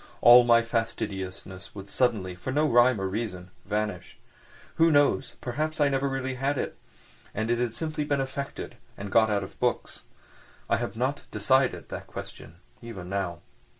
All my fastidiousness would suddenly, for no rhyme or reason, vanish. Who knows, perhaps I never had really had it, and it had simply been affected, and got out of books. I have not decided that question even now.